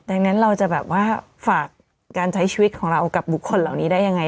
ดังนั้นเราจะแบบว่าฝากการใช้ชีวิตของเรากับบุคคลเหล่านี้ได้ยังไง